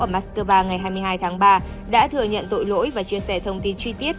ở moscow ngày hai mươi hai tháng ba đã thừa nhận tội lỗi và chia sẻ thông tin chi tiết